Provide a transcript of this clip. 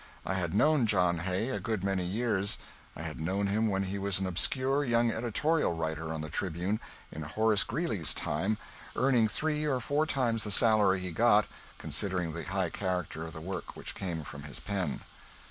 I had known John Hay a good many years, I had known him when he was an obscure young editorial writer on the "Tribune" in Horace Greely's time, earning three or four times the salary he got, considering the high character of the work which came from his pen.